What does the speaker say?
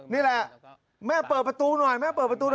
นี่แหละแม่เปิดประตูหน่อยแม่เปิดประตูหน่อย